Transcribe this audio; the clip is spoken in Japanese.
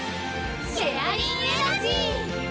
シェアリンエナジー！